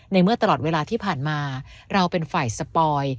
เมื่อตลอดเวลาที่ผ่านมาเราเป็นฝ่ายสปอย